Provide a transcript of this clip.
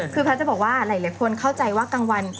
คือแพทย์จะบอกว่าหลายคนเข้าใจว่ากลางวัน